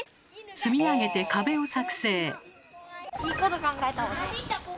積み上げて壁を作製。